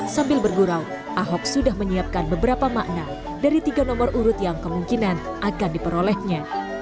sambil bergurau ahok sudah menyiapkan beberapa makna dari tiga nomor urut yang kemungkinan akan diperolehnya